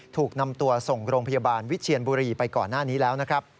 ถูกนำตัวส่งโรงพยาบาลวิเชียนบุรีไปก่อนหน้านี้แล้วนะครับ